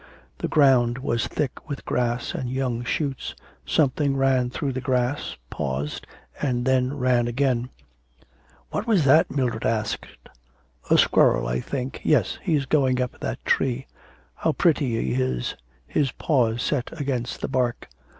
The ground was thick with grass and young shoots.... Something ran through the grass, paused, and then ran again. 'What is that?' Mildred asked. 'A squirrel, I think... yes, he's going up that tree.' 'How pretty he is, his paws set against the bark.'